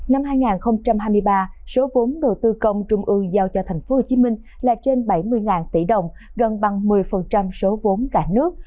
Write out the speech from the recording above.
năm hai nghìn hai mươi ba số vốn đầu tư công trung ương giao cho tp hcm là trên bảy mươi tỷ đồng gần bằng một mươi số vốn cả nước